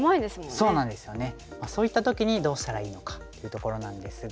そういった時にどうしたらいいのかというところなんですが。